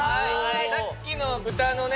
さっきの歌のね